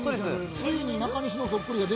ついに中西のそっくりさんが。